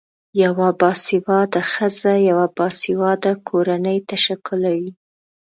یوه باسیواده خځه یوه باسیواده کورنۍ تشکلوی